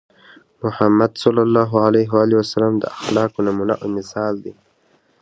محمد ص د اخلاقو نمونه او مثال دی.